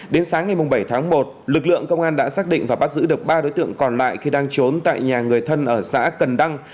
đến sáng ngày bảy tháng một lực lượng công an đã xác định và bắt giữ được ba đối tượng còn lại khi đang trốn tại nhà người thân ở xã cần đăng